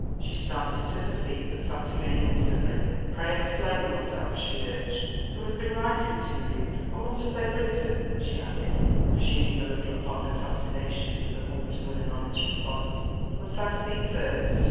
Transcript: She started to her feet, but sat again instantly. "Pray explain yourself," she urged. "Who has been writing to you? And what have they written?" she added, presuming a little upon her fascinations as a woman to win an honest response. "Must I speak first?"